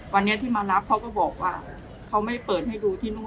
วันนี้ที่มารับเขาก็บอกว่าเขาไม่เปิดให้ดูที่นู่น